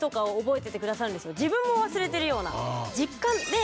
自分も忘れてるような。